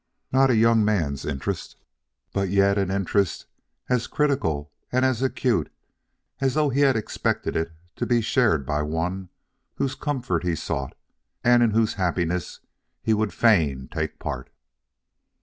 Not a young man's interest, but yet an interest as critical and acute as though he had expected it to be shared by one whose comfort he sought and in whose happiness he would fain take part.